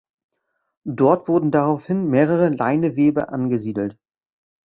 Dort wurden daraufhin mehrere Leineweber angesiedelt.